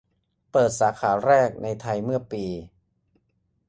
เปิดสาขาแรกในไทยเมื่อปี